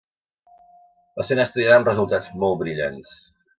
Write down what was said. Va ser una estudiant amb resultats molt brillants.